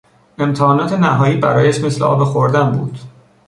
امتحانات نهایی برایش مثل آب خوردن بود.